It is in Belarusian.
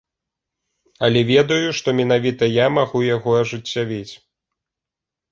Але ведаю, што менавіта я магу яго ажыццявіць.